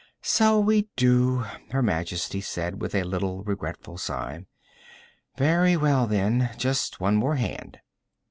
"So we do," Her Majesty said with a little regretful sigh. "Very well, then. Just one more hand."